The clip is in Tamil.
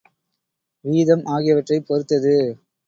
வீதம் ஆகியவற்றைப் பொறுத்தது.